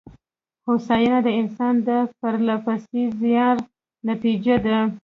هوساینه د انسان د پرله پسې زیار نتېجه ده.